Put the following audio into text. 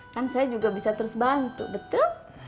kan saya juga bisa terus bantu betul